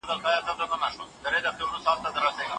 انلاين کتابونه زده کړې اسانه کوي.